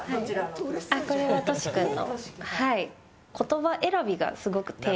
これは、とし君の。